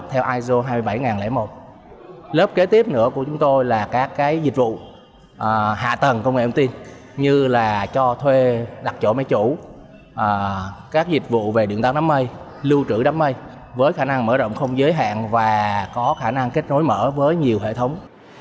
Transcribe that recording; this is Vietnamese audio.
theo iso hai mươi bảy nghìn một lớp kế tiếp nữa của chúng tôi là các dịch vụ hạ tầng công nghệ công ty như là cho thuê đặt chỗ máy chủ các dịch vụ về điện tăng đám mây lưu trữ đám mây với khả năng mở rộng không giới hạn và có khả năng kết nối mở với nhiều hệ thống